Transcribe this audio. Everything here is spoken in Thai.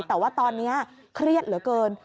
แต่ว่าตอนนี้เครียดเหลือเกิน